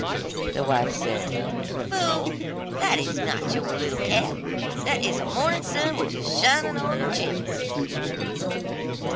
The wife said: 'Fool, that is not your little cat, that is the morning sun which is shining on the chimneys.